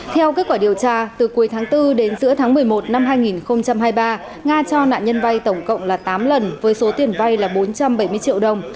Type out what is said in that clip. theo kết quả điều tra từ cuối tháng bốn đến giữa tháng một mươi một năm hai nghìn hai mươi ba nga cho nạn nhân vay tổng cộng là tám lần với số tiền vay là bốn trăm bảy mươi triệu đồng